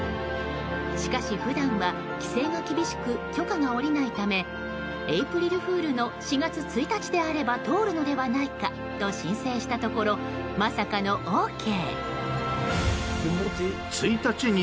しかし、普段は規制が厳しく許可が下りないためエイプリルフールの４月１日であれば通るのではないかと申請したところ、まさかのＯＫ。